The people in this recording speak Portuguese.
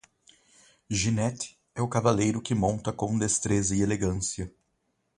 Ginete é o cavaleiro que monta com destreza e elegância